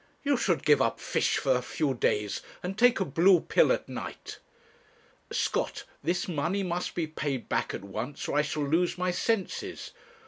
'You should give up fish for a few days, and take a blue pill at night.' 'Scott, this money must be paid back at once, or I shall lose my senses.